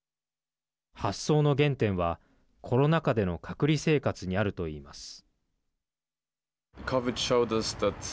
発想の原点はコロナ禍での隔離生活にあるといいます。